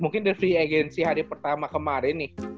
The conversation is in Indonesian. mungkin di free agency hari pertama kemarin nih